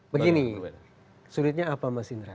begini sulitnya apa mas indra